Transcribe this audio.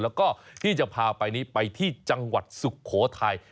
แล้วก็ที่จะพาไปนี้ไปที่จังหวัดสุโขทัย